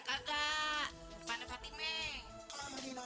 kalau ada lihat